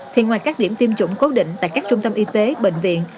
thì ngoài các điểm tiêm chủng cố định tại các trung tâm y tế bệnh viện